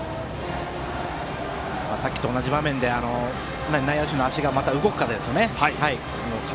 さっきと同じ場面で内野手の足が動くかですね。